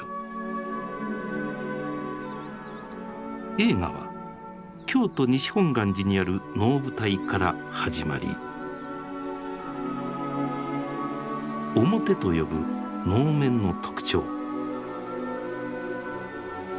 映画は京都西本願寺にある能舞台から始まり「面」と呼ぶ能面の特徴。